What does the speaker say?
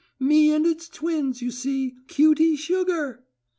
Me and it's twins, you see, cutie sugar!"